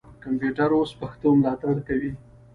کمپیوټر اوس پښتو ملاتړ کوي.